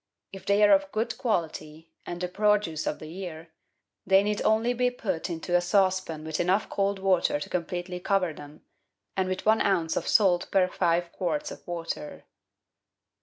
If they are of good quality, and the produce of the year, they need only be put into a saucepan with enough cold water to completely cover them, and with one oz. of salt per five quarts of water.